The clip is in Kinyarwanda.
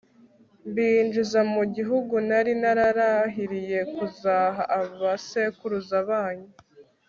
mbinjiza mu gihugu nari nararahiriye kuzaha abasekuruza banyu